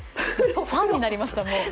ファンになりました。